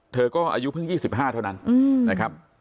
เธอก็อายุเพิ่ง๒๕เท่านั้นนะครับ